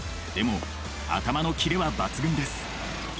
でも頭のキレは抜群です。